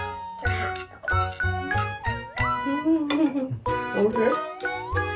フフフおいしい？